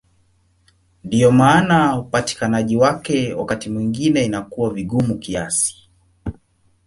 Ndiyo maana upatikanaji wake wakati mwingine inakuwa vigumu kiasi.